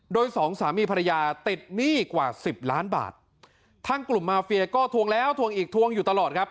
โดยสองสามีภรรยาติดหนี้กว่าสิบล้านบาททางกลุ่มมาเฟียก็ทวงแล้วทวงอีกทวงอยู่ตลอดครับ